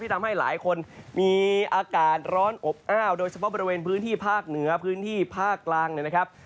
ทำให้หลายคนมีอากาศร้อนอบอ้าวโดยเฉพาะบริเวณพื้นที่ภาคเหนือพื้นที่ภาคกลางเนี่ยนะครับ